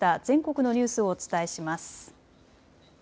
全国のニュースをお伝えします。